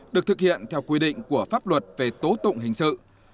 được thực hiện theo quy định của pháp luật về tố tụng hình sự